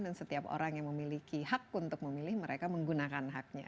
dan setiap orang yang memiliki hak untuk memilih mereka menggunakan haknya